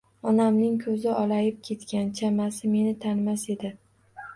Onamning ko‘zi olayib ketgan, chamasi meni tanimas edi.